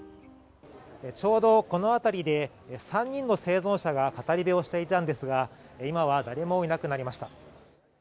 ちょうどこの辺りで３人の生存者が語り部をしていたんですが今は誰もいなくなりました。